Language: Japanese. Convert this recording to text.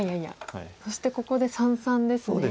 そしてここで三々ですね。